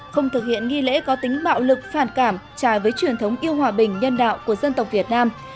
không thực hiện nghi lễ có tính bạo lực phản cảm trái với truyền thống yêu hòa bình nhân đạo của dân tộc việt nam